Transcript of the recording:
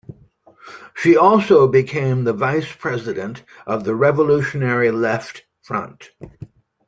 She also became the vice-president of the Revolutionary Left Front.